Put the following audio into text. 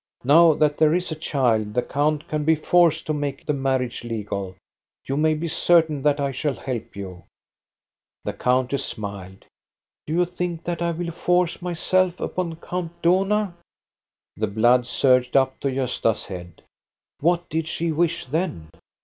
Now that there is a child, the count can be forced to make the marriage legal. You may be certain that I shall help you !" The countess smiled. "Do you think that I will force myself upon Count Dohna?" The blood surged up to Gosta's head. What did she wish then?